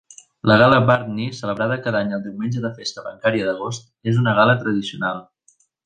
La gal·la Bardney, celebrada cada any el diumenge de festa bancària d'agost, és una gal·la tradicional.